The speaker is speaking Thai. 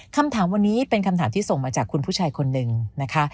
คำถามวันนี้เป็นคำถามที่ส่งมาจากคุณผู้ชายคนหนึ่งนะคะ